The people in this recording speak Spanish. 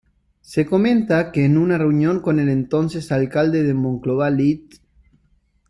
Se comenta que en una reunión con el entonces Alcalde de Monclova Lic.